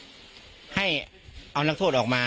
กลุ่มวัยรุ่นกลัวว่าจะไม่ได้รับความเป็นธรรมทางด้านคดีจะคืบหน้า